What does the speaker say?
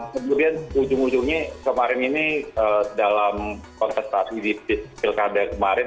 kemudian ujung ujungnya kemarin ini dalam kontestasi di pilkada kemarin